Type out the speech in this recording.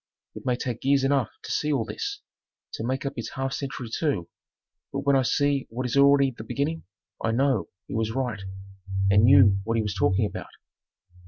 It may take years enough to see all this, to make up its half century too, but when I see what is already the beginning I know he was right and knew what he was talking about.